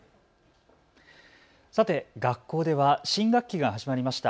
さて学校では新学期が始まりました。